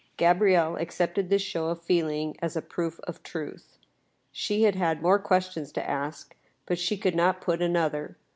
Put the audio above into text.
Gabrielle accepted this show of feeling as a proof of truth. She had had more questions to ask, but she could not put an other.